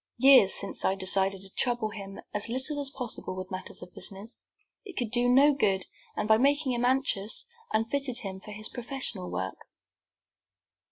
Years since I decided to trouble him as little as possible with matters of business. It could do no good, and, by making him anxious, unfitted him for his professional work."